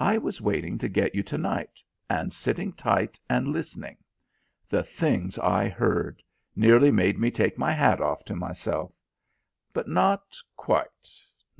I was waiting to get you to night, and sitting tight and listening. The things I heard! Nearly made me take my hat off to myself. But not quite.